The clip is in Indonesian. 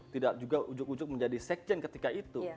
tidak juga ujug ujug menjadi sekjen ketika itu